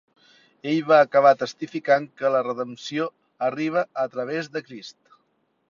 Ell va acabar testificant que la redempció arriba a través de Crist.